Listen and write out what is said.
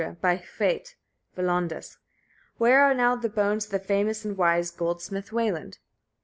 by Hwæt (hwær) Welondes? (Where are now the bones of the famous and wise goldsmith Weland?)